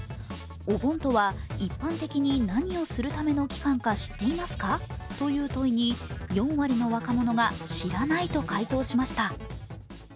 お盆とは一般的に何をするための期間か知っていますかという問いに４割の若者が知らないと回答しました。